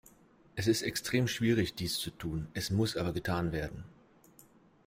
Es ist extrem schwierig, dies zu tun, es muss aber getan werden.